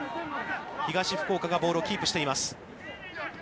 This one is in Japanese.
東福岡がボールをキープしています。